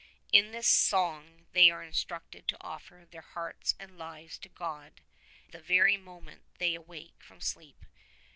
In this song they are instructed to offer their hearts and lives to God the very moment they awake from sleep.